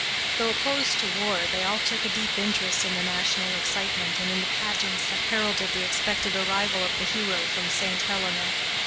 Though opposed to war, they all took a deep interest in the national excitement and in the pageants that heralded the expected arrival of the hero from Saint Helena.